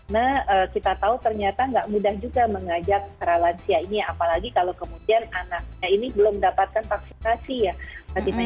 nah kita tahu ternyata nggak mudah juga mengajak para lansia ini apalagi kalau kemudian anaknya ini belum mendapatkan vaksinasi ya